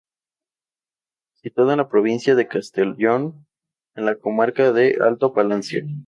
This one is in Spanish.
Situado en la provincia de Castellón, en la comarca del Alto Palancia.